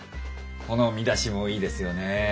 この見出しもいいですよね。